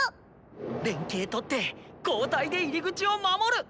連携とって交代で入り口を守る！